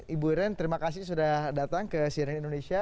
ibu iren terima kasih sudah datang ke cnn indonesia